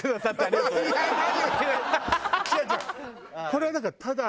これはだからタダ。